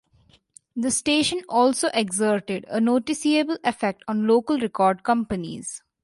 The station also exerted a noticeable effect on local record companies.